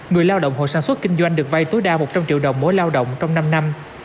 người lao động hội sản xuất kinh doanh được vay tối đa một trăm linh triệu đồng mỗi lao động trong năm năm